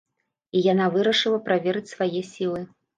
І яна вырашыла праверыць свае сілы.